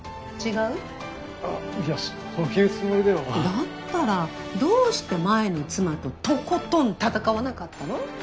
だったらどうして前の妻ととことん闘わなかったの？